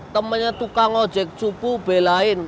temennya tukang ojek cupu belain